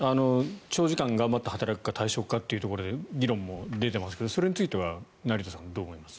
長時間頑張って働くか退職かというところで議論も出ていますけどそれについては成田さんどう思います？